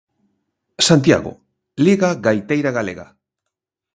Santiago, Liga Gaiteira Galega.